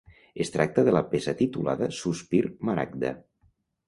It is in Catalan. Es tracta de la peça titulada Sospir maragda.